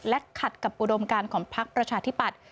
และขัดกับอุดมการของพักประชาธิปัตย